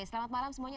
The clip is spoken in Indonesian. selamat malam semuanya